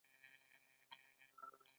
د دولت اسرار افشا کول څه سزا لري؟